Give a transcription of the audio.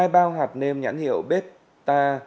hai bao hạt nêm nhãn hiệu besta